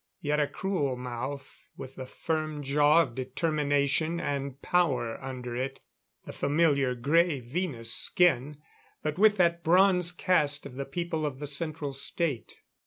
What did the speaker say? Yet a cruel mouth, with the firm jaw of determination and power under it. The familiar gray Venus skin, but with that bronze cast of the people of the Central State.